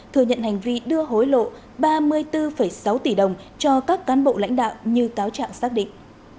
thừa nhận hành vi đưa hối lộ ba mươi bốn sáu tỷ đồng cho các cán bộ lãnh đạo như cáo trạng xác định